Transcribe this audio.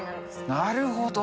なるほど。